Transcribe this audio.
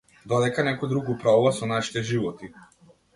Додека некој друг управува со нашите животи.